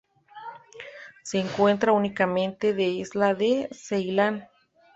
Se encuentra únicamente la isla de Ceilán.